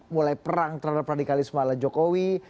mulai perang terhadap radikalisme ala jokowi